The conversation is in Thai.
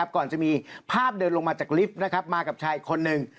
ก่อนจะมีภาพเดินลงมาจากลิฟต์มากับชายอีกคนนึง